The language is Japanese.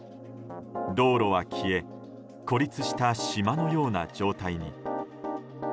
道路は消え孤立した島のような状態に。